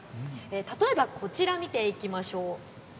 例えばこちらを見ていきましょう。